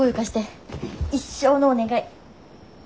一生のお願い。